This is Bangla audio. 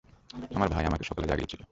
আমার ভাই আমাকে সকালে জাগিয়েছিল।